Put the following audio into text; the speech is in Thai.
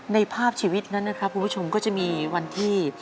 ภาพชีวิตนั้นนะครับคุณผู้ชมก็จะมีวันที่